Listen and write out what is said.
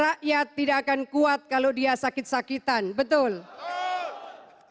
rakyat tidak akan kuat kalau dia sakit sakitan betul betul